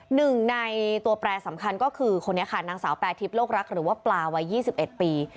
หนึ่งในตัวแปรสำคัญก็คือคนนี้ค่ะนางสาวแปรทิพย์โลกรักหรือว่าปลาวัย๒๑ปี